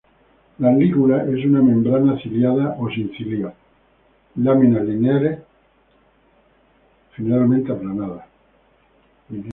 La lígula es una membrana, ciliada o sin cilios; láminas lineares, generalmente aplanadas.